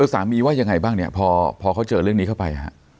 สามีว่ายังไงบ้างเนี่ยพอเขาเจอเรื่องนี้เข้าไป